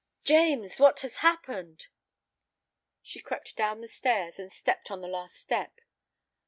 "James, what has happened?" She crept down the stairs, and stepped on the last step.